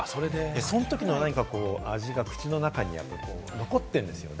そのときの味が口の中に残っているんですよね。